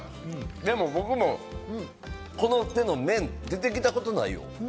でも僕もこの手の麺、出てきたことないよ。